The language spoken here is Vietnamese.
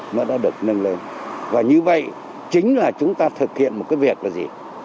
nó đã được nâng lên và như vậy chính là chúng ta thực hiện một cái việc là gì